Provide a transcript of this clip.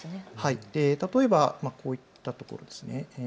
例えば、こういったところ。